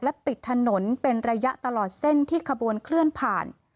ปิดถนนเป็นระยะตลอดเส้นที่ขบวนเคลื่อนผ่าน